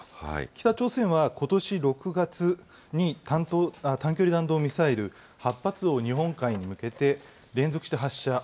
北朝鮮はことし６月に短距離弾道ミサイル８発を日本海に向けて連続して発射。